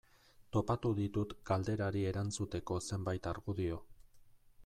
Topatu ditut galderari erantzuteko zenbait argudio.